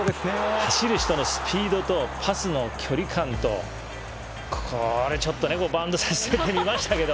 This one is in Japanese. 走る人のスピードとパスの距離間とこれちょっとね、バウンドさせてから見ましたけど。